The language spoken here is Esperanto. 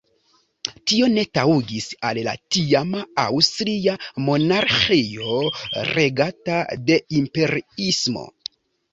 Tio ne taŭgis al la tiama Aŭstria monarĥio, regata de imperiismo.